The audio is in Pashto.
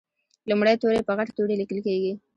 لومړی توری په غټ توري لیکل کیږي.